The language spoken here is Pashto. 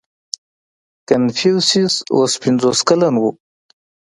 • کنفوسیوس اوس پنځوس کلن و.